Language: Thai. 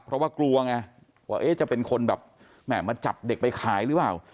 เพราะว่ากลัวไงว่าจะเป็นคนแบบแหม่มาจับเด็กไปขายหรือเปล่า